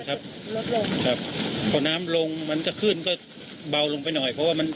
ครับลดลงครับพอน้ำลงมันก็ขึ้นก็เบาลงไปหน่อยเพราะว่ามัน